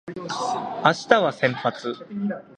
明日は先発